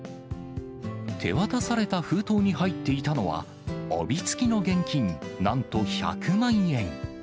手渡された封筒に入っていたのは、帯付きの現金なんと１００万円。